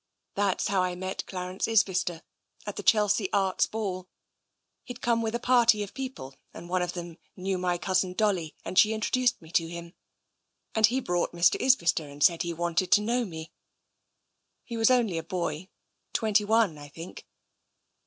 That's how I met Clarence Isbister — at the Chelsea Arts Ball. He'd come with a party of people, and one of them knew my iS6 TENSION cousin Dolly, and she introduced him to me, and he brought Mr. Isbister and said he wanted to know me. He was only a boy — twenty one, I think.'